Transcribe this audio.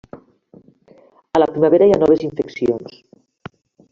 A la primavera hi ha noves infeccions.